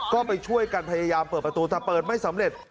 ก็ไปช่วยกันพยายามเปิดประตูแต่เปิดไม่สำเร็จ